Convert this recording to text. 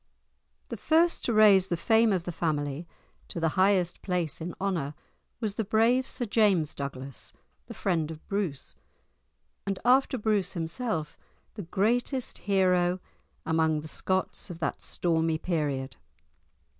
The first to raise the fame of the family to the highest place in honour was the brave Sir James Douglas, the friend of Bruce, and, after Bruce himself, the greatest hero among the Scots of that stormy period.